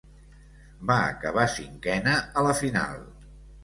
Va acabar cinquena a la final.